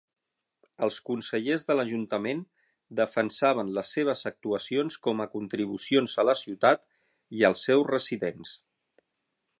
Els consellers de l'ajuntament defensaven les seves actuacions com a contribucions a la ciutat i als seus residents.